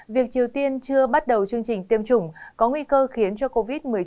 việc triều tiên chưa bắt đầu chương trình tiêm chủng có nguy cơ khiến cho covid một mươi chín